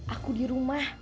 aku di rumah